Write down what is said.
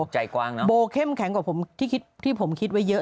ใจกว้างนะโบเข้มแข็งกว่าผมที่คิดที่ผมคิดไว้เยอะ